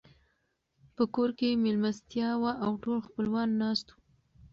په کور کې مېلمستيا وه او ټول خپلوان ناست وو.